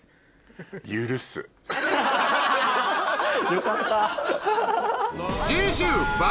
よかった。